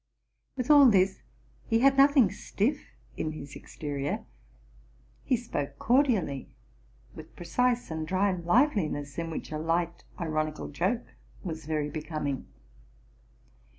With all this, he had nothing stiff in his exterior. He spoke cor dially, with precise and dry liveliness, in which a light ironi eal joke was very becoming.